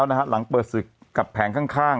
ดูไม่เคยเห็น